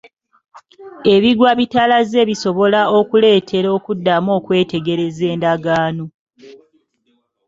Ebigwa bitalaze bisobola okuleetera okuddamu okwetegereza endagaano.